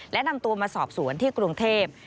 และนำตัวมาสอบสวนที่กรุงเทพ